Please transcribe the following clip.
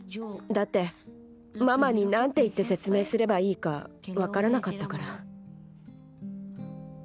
だってママに何て言って説明すればいいか分からなかったから。